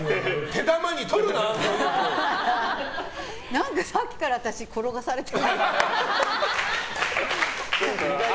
何かさっきから私転がされてるみたい。